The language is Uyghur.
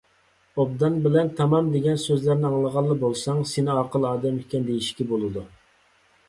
«ئوبدان» بىلەن «تامام» دېگەن سۆزلەرنى ئاڭلىغانلا بولساڭ، سېنى ئاقىل ئادەم ئىكەن دېيىشكە بولىدۇ.